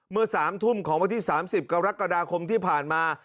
เมื่อ๓ทุ่มของวันที่๓๐กรกฎาคมที่ผ่านมา